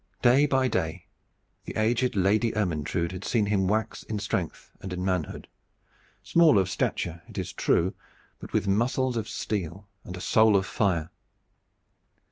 Day by day the aged Lady Ermyntrude had seen him wax in strength and in manhood, small of stature, it is true, but with muscles of steel and a soul of fire.